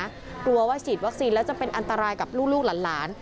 กลัวว่าฉีดวัคซีนแล้วจะเป็นอันตรายกับลูกหลาน